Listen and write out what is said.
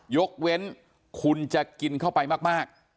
ยกเว้นคุณจะกินเข้าไปมาก